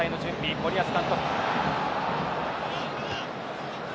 森保監督。